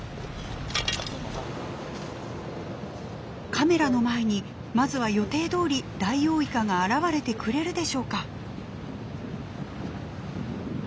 カメラの前にまずは予定どおりダイオウイカが現れてくれるでしょうか。